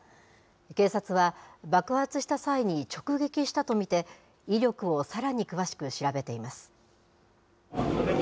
警察は、爆発した際に直撃したと見て、威力をさらに詳しく調べています。